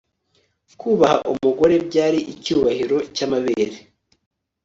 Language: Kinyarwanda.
kubaha umugore, byari icyubahiro cy'amabere